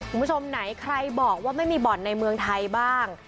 คุณผู้ชมไหนใครบอกว่าไม่มีบ่อนในเมืองไทยบ้าง